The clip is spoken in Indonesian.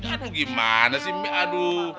aduh gimana sih aduh